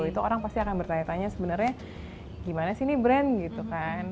itu orang pasti akan bertanya tanya sebenarnya gimana sih ini brand gitu kan